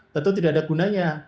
tentu tidak ada gunanya